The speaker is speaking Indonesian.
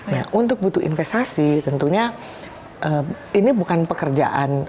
nah untuk butuh investasi tentunya ini bukan pekerjaan